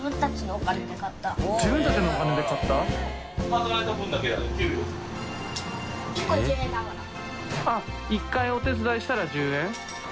淵好織奪奸１回お手伝いしたら１０円？